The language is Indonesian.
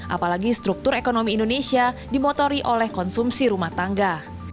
apalagi struktur ekonomi indonesia dimotori oleh konsumsi rumah tangga